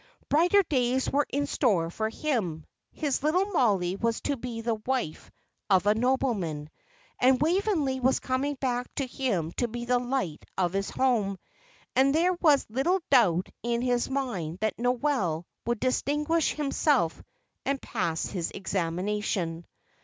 Brighter days were in store for him; his little Mollie was to be the wife of a nobleman, and Waveney was coming back to him to be the light of his home; and there was little doubt in his mind that Noel would distinguish himself and pass his examination.